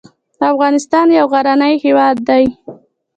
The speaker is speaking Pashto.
افغانستان یو غرنی هېواد دې .